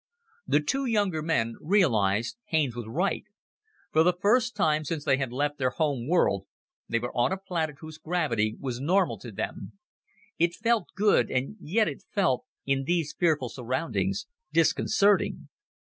The two younger men realized Haines was right. For the first time since they had left their home world, they were on a planet whose gravity was normal to them. It felt good and yet it felt in these fearful surroundings disconcerting.